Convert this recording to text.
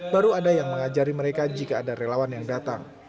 baru ada yang mengajari mereka jika ada relawan yang datang